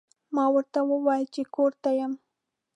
ما ورته وویل چې کور ته یم.